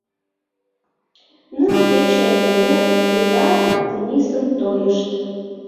Ныл кече эртымек, Пӧта-Тынисым тойышт.